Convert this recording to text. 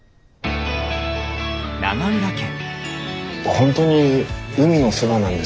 本当に海のそばなんですね。